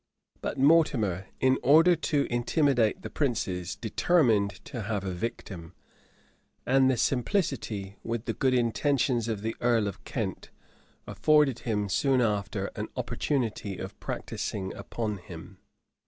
{1329.} But Mortimer, in order to intimidate the princes, determined to have a victim; and the simplicity, with the good intentions of the earl of Kent, afforded him soon after an opportunity of practising upon him.